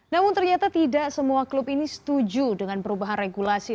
namun ternyata tidak semua klub ini setuju dengan perubahan regulasi